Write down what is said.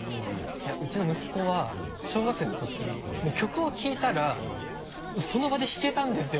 「いやうちの息子は小学生のときもう曲を聴いたらその場で弾けたんですよ」